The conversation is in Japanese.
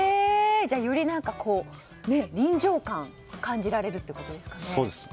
より臨場感を感じられるってことですかね。